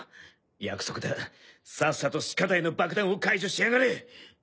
約束ださっさとシカダイの爆弾を解除しやがれ！